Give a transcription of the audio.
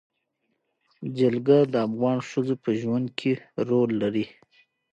جلګه د افغان ښځو په ژوند کې رول لري.